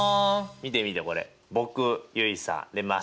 見て見てこれ僕結衣さんでマスター。